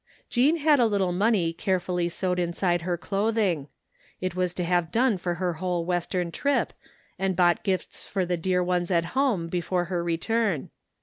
Jean had a little money carefully sewed inside her clothing. It was to have done for her whole western trip and bought gifts for the dear ones at home before her return.